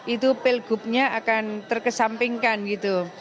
itu pilgubnya akan terkesampingkan gitu